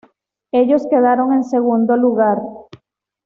Ellos quedaron en segundo lugar.